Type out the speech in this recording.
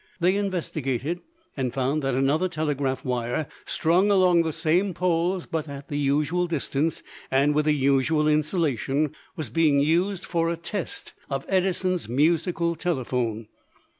They investigated and found that another telegraph wire, strung along the same poles, but at the usual distance and with the usual insulation, was being used for a test of Edison's musical telephone.